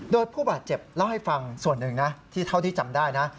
โดยผู้บาดเจ็บเล่าให้ฟังส่วนหนึ่งนะที่เท่าที่จำได้นะ